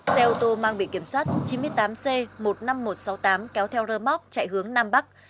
xe ô tô mang bị kiểm soát chín mươi tám c một mươi năm nghìn một trăm sáu mươi tám kéo theo rơ móc chạy hướng nam bắc